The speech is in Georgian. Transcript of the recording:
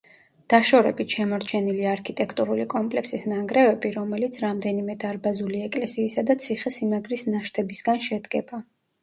დაშორებით შემორჩენილი არქიტექტურული კომპლექსის ნანგრევები, რომელიც რამდენიმე დარბაზული ეკლესიისა და ციხე-სიმაგრის ნაშთებისგან შედგება.